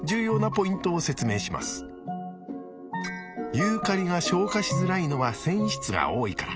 ユーカリが消化しづらいのは繊維質が多いから。